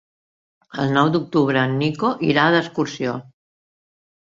El nou d'octubre en Nico irà d'excursió.